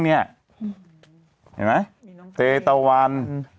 เห็นไหมเตตะวัน